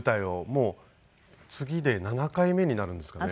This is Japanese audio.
もう次で７回目になるんですかね。